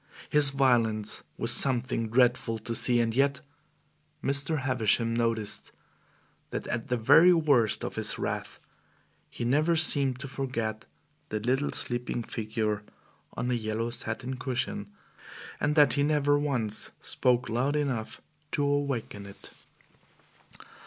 His violence was something dreadful to see, and yet Mr. Havisham noticed that at the very worst of his wrath he never seemed to forget the little sleeping figure on the yellow satin cushion, and that he never once spoke loud enough to awaken it.